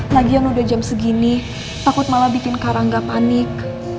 lagian udah jam segini takut malah bikin karang gak panik